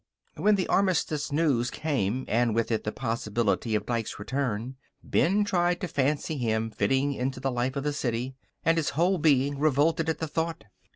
When the Armistice news came, and with it the possibility of Dike's return, Ben tried to fancy him fitting into the life of the city. And his whole being revolted at the thought.